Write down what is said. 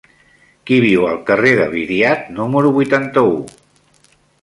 Qui viu al carrer de Viriat número vuitanta-u?